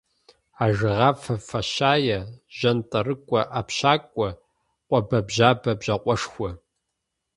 Ажэгъафэ фащае, жьантӏэрыкӏуэ ӏэпщакӏуэ, къуэбэбжьабэ бжьакъуэшхуэ.